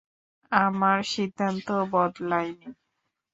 আমার সিদ্ধান্ত বদলায়নি।